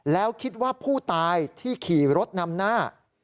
แล้วคิดว่าผู้ตายที่ขี่รถนำหน้า